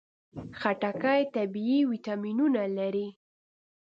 خټکی طبیعي ویټامینونه لري.